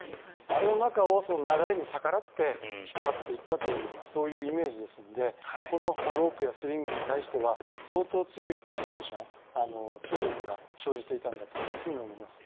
あの中を流れに逆らって引っ張っていったというようなそういうイメージですのでこのロープやスリングに対しては相当強いテンション張力が生じていたんだと思います。